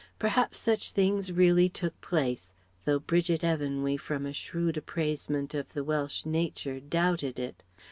Perhaps such things really took place, though Bridget Evanwy from a shrewd appraisement of the Welsh nature doubted it.